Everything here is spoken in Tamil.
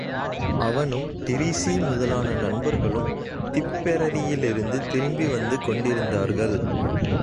அவனும் டிரீஸி முதலான நண்பர்களும் திப்பெரரியிலிருந்து திரும்பிவந்து கொண்டிருந்தார்கள்.